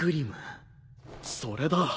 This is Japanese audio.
それだ！